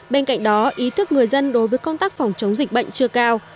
bên cạnh đó ý thức người dân đối với công tác phòng chống dịch bệnh chưa cao